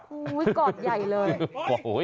อุ้ยก่อนใหญ่เลย